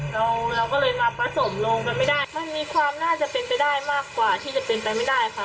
เราเราก็เลยมาผสมลงกันไม่ได้มันมีความน่าจะเป็นไปได้มากกว่าที่จะเป็นไปไม่ได้ค่ะ